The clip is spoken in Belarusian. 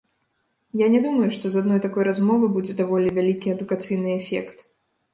Я не думаю, што з адной такой размовы будзе даволі вялікі адукацыйны эфект.